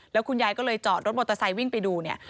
แล้วคุณยายก็เลยจอดรถมอเตอร์ไซค์วิ่งไปดูเนี่ย